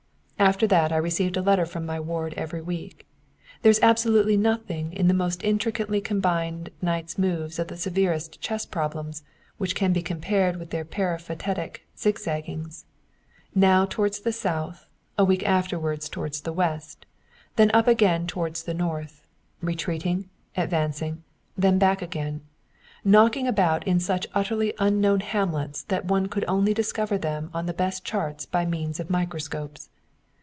After that I received a letter from my ward every week. There is absolutely nothing in the most intricately combined knights' moves of the severest chess problems which can be compared with their peripatetic zigzagings. Now towards the south, a week afterwards towards the west, then up again towards the north, retreating, advancing, then back again; knocking about in such utterly unknown hamlets, that one could only discover them on the best charts by means of microscopes.